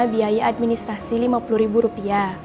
biaya administrasi rp lima puluh